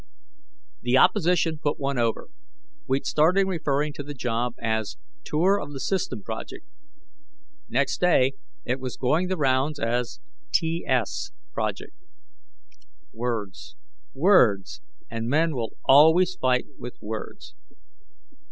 The opposition put one over; we'd started referring to the job as Tour of the System Project. Next day, it was going the rounds as TS project. Words, words, and men will always fight with words.